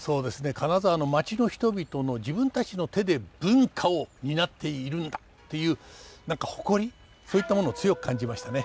金沢の町の人々の自分たちの手で文化を担っているんだという何か誇りそういったものを強く感じましたね。